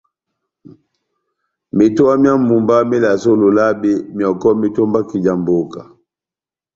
Metowa myá mumba melasɛ ó Lolabe, myɔkɔ metombaki já mbóka.